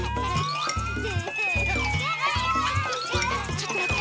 ちょっとまって。